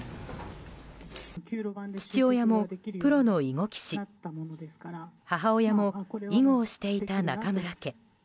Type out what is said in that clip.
父親もプロの囲碁棋士母親も囲碁をしていた仲邑家。